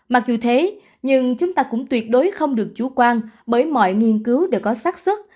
mặc dù thế nhưng chúng ta cũng tuyệt đối không được chủ quan bởi mọi nghiên cứu đều có sát xuất